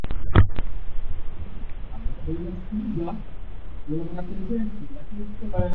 Dola ya kiislamu ilidai kuwa wanachama wake waliwauwa takribani wakristo ishirini.